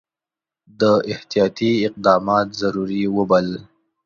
ده احتیاطي اقدامات ضروري وبلل.